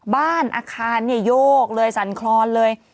บ้านอาคารเนี่ยโยกเลยสั่นคลอนเลย